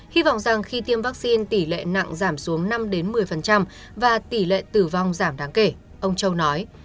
hy vọng rằng khi tiêm vaccine tỷ lệ nặng giảm xuống năm một mươi và tỷ lệ tử vong giảm đáng kể ông châu nói